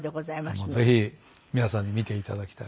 もうぜひ皆さんに見ていただきたい。